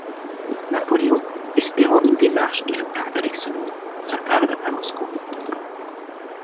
Napoléon, espérant une démarche de la part d’Alexandre, s'attarde à Moscou.